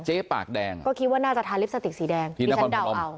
เจ๊ปากแดงก็คิดว่าน่าจะทานลิปสติกสีแดงที่นครพนมที่ฉันเดาเอา